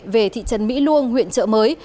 về thị trấn mỹ luông huyện chợ mới